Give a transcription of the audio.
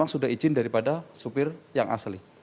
sudah izin daripada supir yang asli